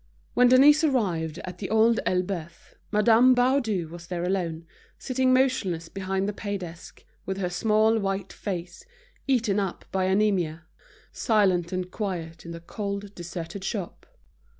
When Denise arrived at The Old Elbeuf, Madame Baudu was there alone, sitting motionless behind the pay desk, with her small white face, eaten up by anaemia, silent and quiet in the cold, deserted shop.